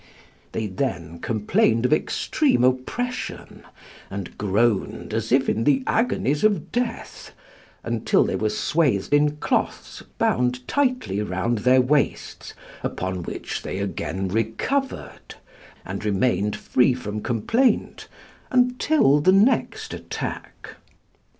They then complained of extreme oppression, and groaned as if in the agonies of death, until they were swathed in cloths bound tightly round their waists, upon which they again recovered, and remained free from complaint until the next attack.